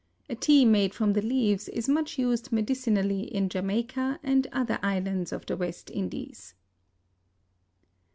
A tea made from the leaves is much used medicinally in Jamaica and other islands of the West Indies.